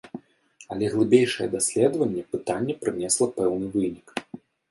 Але глыбейшае даследаванне пытання прынесла пэўны вынік.